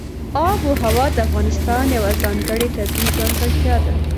آب وهوا د افغانستان یوه ځانګړې طبیعي ځانګړتیا ده.